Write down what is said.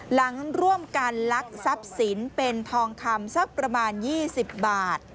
หลังร่วมกันลักทรัพย์สินเป็นทองคำสักประมาณ๒๐บาท